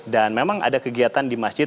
dan memang ada kegiatan di masjid